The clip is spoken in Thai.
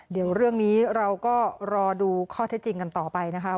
เดี๋ยวเรื่องนี้เราก็รอดูข้อเท็จจริงกันต่อไปนะคะ